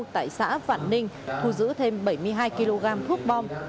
tại xã vạn ninh thu giữ thêm bảy mươi hai kg thuốc bom